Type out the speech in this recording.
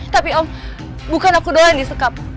tapi om bukan aku doang yang disikap